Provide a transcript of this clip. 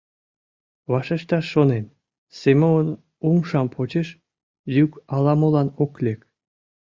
Вашешташ шонен, Семон умшам почеш — йӱк ала-молан ок лек.